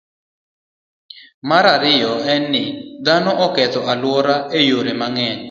Mar ariyo en ni, dhano ketho alwora e yore mang'eny.